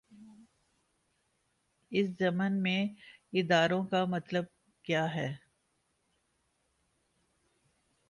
اس ضمن میں اداروں کا مطلب کیا ہے؟